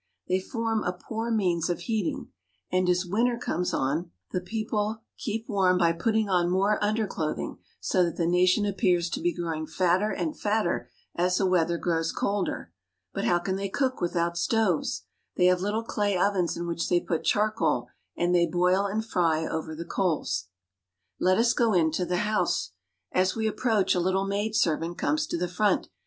They form a poor means of heating; and, as winter comes on, the people HOME LIFE 49 keep warm by putting on more underclothing, so that the nation appears to be growing fatter and fatter as the weather grows colder. But how can they cook without stoves ? They have little clay ovens in which they put charcoal, and they boil and fry over the coals. Let us go into the house. As we approach, a little maidservant comes to the front.